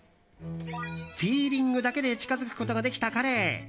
フィーリングだけで近づくことができたカレー。